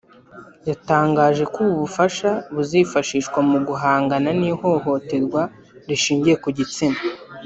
yatangaje ko ubu bufasha buzifashishwa mu guhangana n’ihohoterwa rishingiye ku gitsina